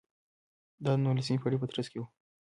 دا د نولسمې پېړۍ په ترڅ کې و.